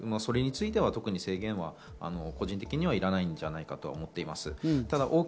それについては特に制限は個人的にはいらないんじゃないかなと思っています。